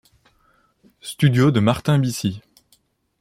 Studio de Martin Bisi.